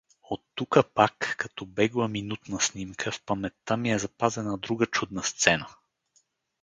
Оттука пак, като бегла, минутна снимка, в паметта ми е запазена друга чудна сцена.